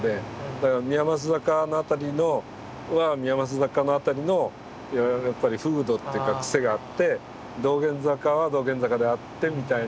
だから宮益坂の辺りは宮益坂の辺りのやっぱり風土っていうかクセがあって道玄坂は道玄坂であってみたいな。